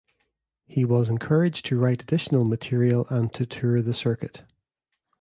He was encouraged to write additional material and to tour the circuit.